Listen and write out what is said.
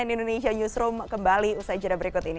cnn indonesia newsroom kembali usai jadwal berikut ini